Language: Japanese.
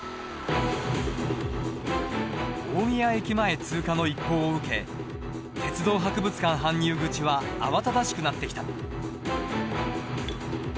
大宮駅前通過の一報を受け鉄道博物館搬入口は慌ただしくなってきた。